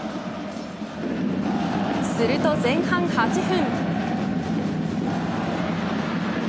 すると前半８分。